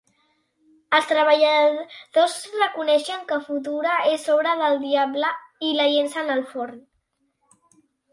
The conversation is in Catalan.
Els Treballadors reconeixen que Futura és obra del diable i la llencen al forn.